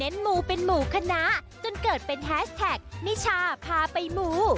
จนเกิดเป็นแฮสแท็กนิชาพาไปมู